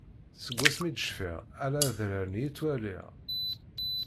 Seg asmi d-cfiɣ ala adrar-nni i ttwaliɣ.